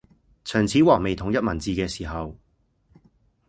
秦始皇未統一文字嘅時候